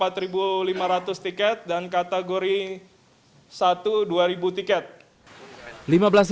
tiga ratus tiket dan kategori satu dua ribu tiket